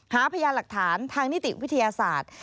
หาพยานหลักฐานทางนิติวิทยาศาสตร์